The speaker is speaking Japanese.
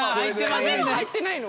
髪も入ってないの？